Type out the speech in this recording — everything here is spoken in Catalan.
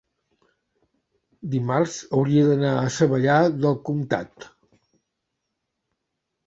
dimarts hauria d'anar a Savallà del Comtat.